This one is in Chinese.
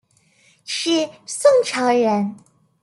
是宋朝人。